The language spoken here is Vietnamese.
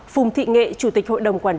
phùng thị nghệ chủ tịch hội đồng quản lý